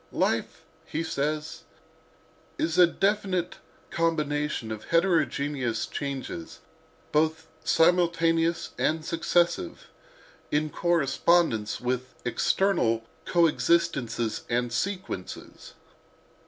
"'Life,' he says, 'is a definite combination of heterogeneous changes, both simultaneous and successive, in correspondence with external coexistences and sequences.